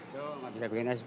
tidak tidak bikin sp